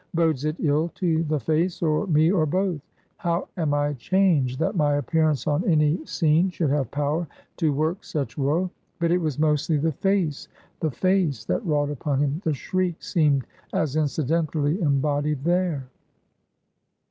Bodes it ill to the face, or me, or both? How am I changed, that my appearance on any scene should have power to work such woe? But it was mostly the face the face, that wrought upon him. The shriek seemed as incidentally embodied there.